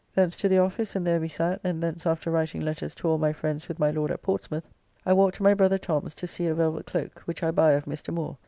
Thence to the office, and there we sat, and thence after writing letters to all my friends with my Lord at Portsmouth, I walked to my brother Tom's to see a velvet cloak, which I buy of Mr. Moore.